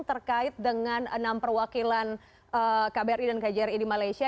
terkait dengan enam perwakilan kbri dan kjri di malaysia